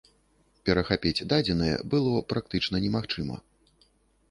Перахапіць дадзеныя было практычна немагчыма.